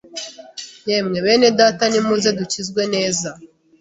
yemwe bene data nimuze dukizwe neza”